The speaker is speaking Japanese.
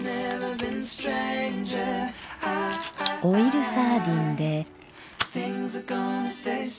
オイルサーディンで。